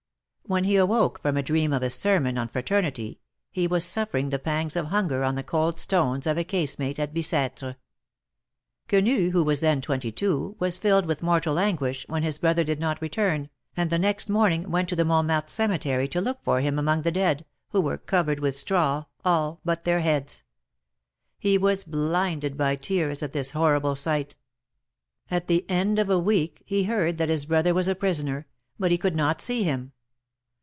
AVhen he awoke from a dream of a sermon on Fraternity, he was suffering the pangs of hunger on the cold stones of a casemate at Bic^tre. Quenii, who was then twenty two, was filled with mortal anguish, when his brother did not return, and the next morning went to the Montmartre Cemetery to look THE MARKETS OF PARIS. G7 for him among the dead, who were covered with straw, all but their heads. He was blinded by tears at this horrible sight. At the end of a week he heard that his brother was a prisoner, but he could not see him.